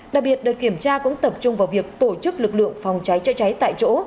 đặc biệt đợt kiểm tra cũng tập trung vào việc tổ chức lực lượng phòng cháy chữa cháy tại chỗ